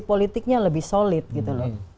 politiknya lebih solid gitu loh